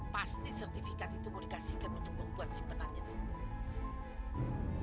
pasti sertifikat itu mau dikasihkan untuk membuat si penarnya itu